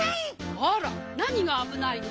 あらなにがあぶないの？